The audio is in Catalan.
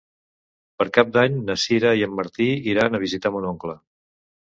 Per Cap d'Any na Sira i en Martí iran a visitar mon oncle.